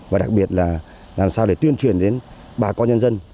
và đặc biệt là làm sao để tuyên truyền đến bà con nhân dân